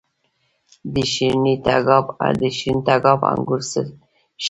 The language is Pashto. د شیرین تګاب انګور ښه دي